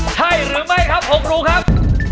ใช่หรือไม่ครับผมรู้ครับ